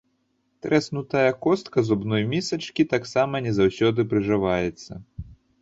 Трэснутая костка зубной місачкі таксама не заўсёды прыжываецца.